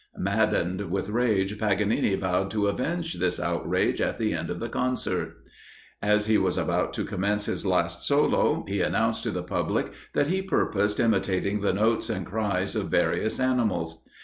Maddened with rage, Paganini vowed to avenge this outrage at the end of the concert. As he was about to commence his last solo, he announced to the public that he purposed imitating the notes and cries of various animals.